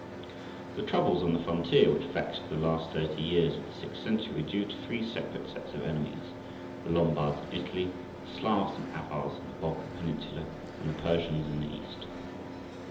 The troubles on the frontier which vexed the last thirty years of the sixth century were due to three separate sets of enemies—the Lombards in Italy, the Slavs and Avars in the Balkan Peninsula, and the Persians in the East.